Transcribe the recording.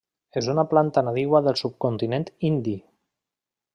És una planta nadiua del subcontinent indi.